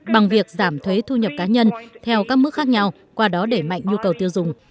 bằng việc giảm thuế thu nhập cá nhân theo các mức khác nhau qua đó để mạnh nhu cầu tiêu dùng